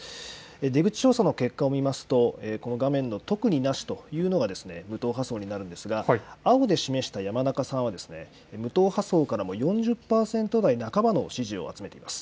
出口調査の結果を見ますとこの画面の特になしというのが無党派層になるんですが青で示した山中さんは無党派層からも４０％台半ばの支持を集めています。